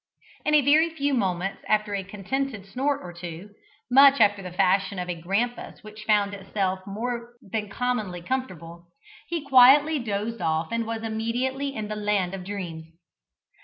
In a very few moments, after a contented snort or two, much after the fashion of a grampus which found itself more than commonly comfortable, he quietly dozed off and was immediately in the land of dreams.